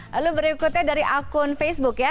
lalu berikutnya dari akun facebook ya